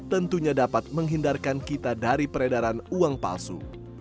tentunya dapat menghindarkan kita dari peredaran uang palsu